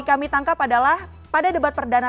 kami tangkap adalah pada debat perdana